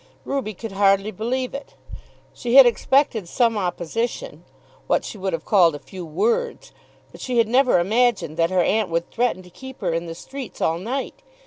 Ruby could hardly believe it. She had expected some opposition, what she would have called a few words; but she had never imagined that her aunt would threaten to keep her in the streets all night.